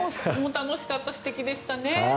楽しかったし素敵でしたね。